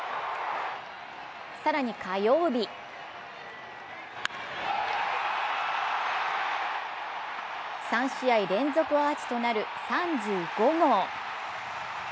更に火曜日３試合連続アーチとなる３５号。